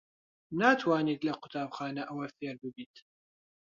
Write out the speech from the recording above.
ناتوانیت لە قوتابخانە ئەوە فێر ببیت.